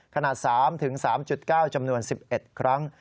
ขนาด๓๓๙จำนวน๑๑ครั้ง